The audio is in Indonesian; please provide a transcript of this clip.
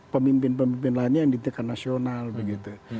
pemimpin pemimpin lainnya yang ditekan nasional begitu